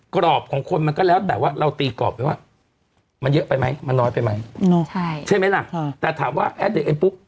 กรอบของคนมันก็แล้วแต่ว่าเราตีกรอบไปว่ามันเยอะไปไหมมันน้อยไปไหมใช่ไหมล่ะแต่ถามว่าแอดเดเอ็มปุ๊บ